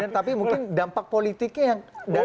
tapi mungkin dampak politiknya yang dari